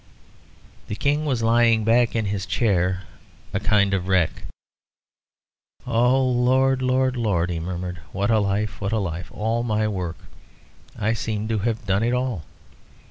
The King was lying back in his chair, a kind of wreck. "Oh, Lord, Lord, Lord," he murmured, "what a life! what a life! All my work! I seem to have done it all.